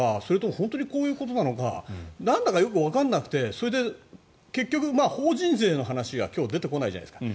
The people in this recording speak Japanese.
本当にこういうことなのかなんだかよくわからなくてそれで結局、法人税の話が今日出てこないじゃないですか。